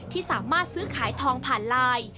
ที่สามารถซื้อขายทองผ่านไลน์